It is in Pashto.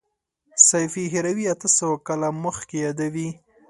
سیفي هروي اته سوه کاله مخکې یادوي.